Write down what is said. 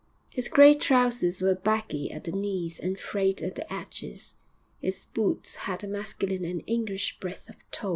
His grey trousers were baggy at the knees and frayed at the edges; his boots had a masculine and English breadth of toe.